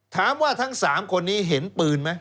ถามว่าทั้ง๓คนนี้เห็นปืนไหม